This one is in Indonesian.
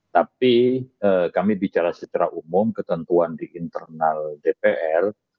tapi kami bicara secara umum ketentuan di internal dpr